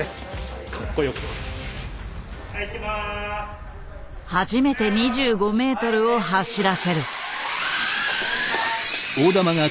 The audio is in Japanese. じゃなくて初めて２５ｍを走らせる。